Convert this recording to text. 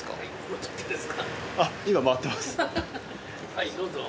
はいどうぞ。